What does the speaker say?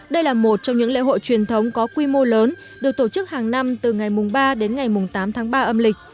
đây là một trong những lễ hội truyền thống có quy mô lớn được tổ chức hàng năm từ ngày ba đến ngày tám tháng ba âm lịch